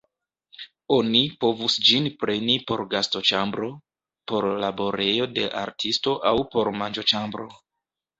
Oni povus ĝin preni por gastoĉambro, por laborejo de artisto aŭ por manĝoĉambro.